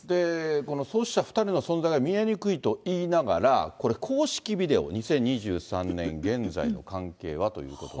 この創始者２人の存在が見えにくいと言いながら、これ、公式ビデオ、２０２３年現在の関係はということで。